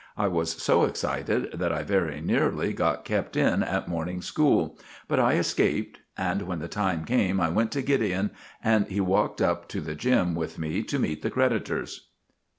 I was so excited that I very nearly got kept in at morning school, but I escaped; and when the time came I went to Gideon, and he walked up to the gym. with me to meet the creditors.